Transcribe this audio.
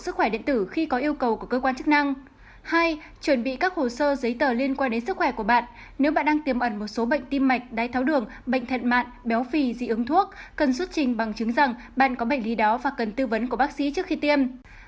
hai chuẩn bị các hồ sơ giấy tờ liên quan đến sức khỏe của bạn nếu bạn đang tiêm ẩn một số bệnh tim mạch đai tháo đường bệnh thẹn mạn béo phì dị ứng thuốc cần xuất trình bằng chứng rằng bạn có bệnh lý đó và cần tư vấn của bác sĩ trước khi tiêm